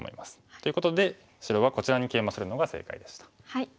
ということで白はこちらにケイマするのが正解でした。